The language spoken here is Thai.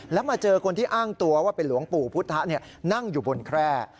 แล้วมาเจอคนที่อ้างตัวว่าเป็นหลวงปู่พุทธนั่งอยู่บนแคร่